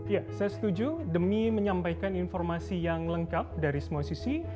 ya saya setuju demi menyampaikan informasi yang lengkap dari semua sisi